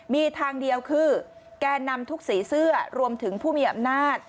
มีทางเดียวคือแก่นำทุกสีเสื้อรวมถึงผู้มีอำนาจ